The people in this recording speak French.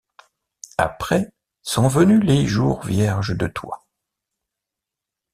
Après, sont venus les jours vierges de toi.